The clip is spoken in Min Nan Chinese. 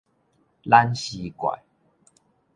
懶屍怪